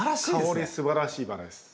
香りすばらしいバラです。